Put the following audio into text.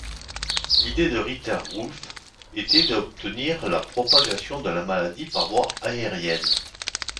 L'idée de Ritter Wulf était d'obtenir la propagation de la maladie par voie aérienne.